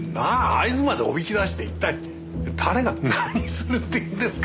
会津までおびき出して一体誰が何するっていうんですか。